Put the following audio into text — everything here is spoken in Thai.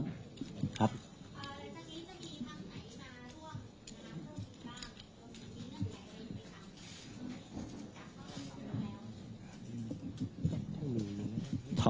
วันนี้จะมีพักไหนมาร่วมกับพักร่วมอีกบ้างและมีเงื่อนไขอะไรอีกไหมครับ